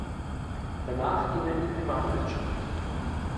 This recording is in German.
Danach ging er in die Privatwirtschaft.